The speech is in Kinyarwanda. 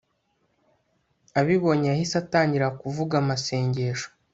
abibonye yahise atangira kuvuga amasengesho